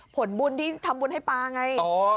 ผลบุ้นทำให้ปลาไง